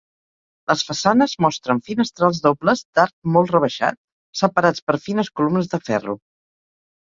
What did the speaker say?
Les façanes mostren finestrals dobles d'arc molt rebaixat separats per fines columnes de ferro.